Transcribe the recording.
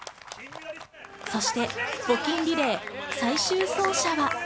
そして募金リレー最終走者は。